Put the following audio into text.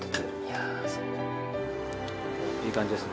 いい感じですね。